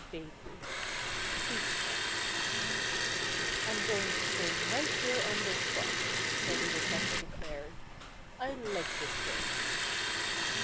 *XXIII* *BEECHNUTS* "I'm going to stay right here on this farm," Reddy Woodpecker declared. "I like this place."